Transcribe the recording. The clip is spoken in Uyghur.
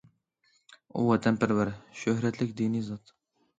ئۇ ۋەتەنپەرۋەر، شۆھرەتلىك دىنىي زات.